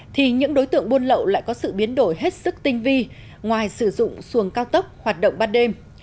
thì những đối tượng buôn lậu lại có sự biến đổi hết sức tinh vi ngoài sử dụng xuồng cao tốc hoạt động bắt đêm